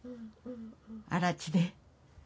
荒ら地で。